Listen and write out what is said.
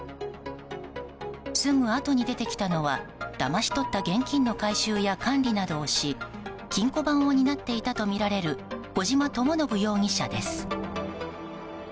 すぐあとに出てきたのはだまし取った現金の回収や管理などをし金庫番を担っていたとみられる小島智信容疑者です。